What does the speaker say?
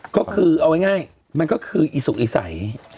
ก็คือเอาง่ายมันก็คืออีสุกอีใส